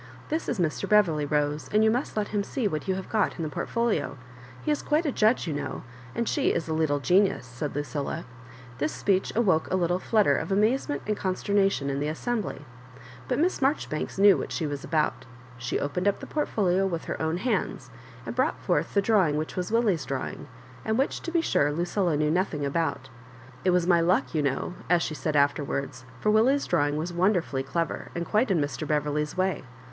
This is Mr. Beverley, Rose, and you must let him see what you have got in the port folia He is quite a judge, you know ; and she is a little genius," said Lucilla. This speech awoke a little flutter of amazement and conster nation in the assembly; but Miss Marjoribanks knew what she was about She opened up the portfolio with her own hands, and brought forth the drawing which was Willie's drawing, and which, to iHd sure, Lucilla knew nothing afout "It was my luck, you know,'' as she said after wards; for Willie's drawing was wonderfully clever, and quite in Mr. Beverley's way.